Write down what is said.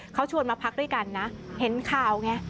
เขาชวนมาพักด้วยกันนะเห็นข่าวไง